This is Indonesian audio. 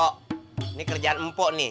bu ini kerjaan bu nih